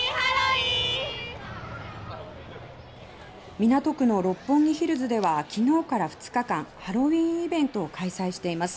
港区の六本木ヒルズでは昨日から２日間ハロウィンイベントを開催しています。